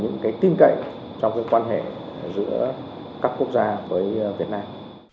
những cái tin cậy trong cái quan hệ giữa các quốc gia với việt nam